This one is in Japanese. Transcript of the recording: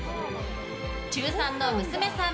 中３の娘さん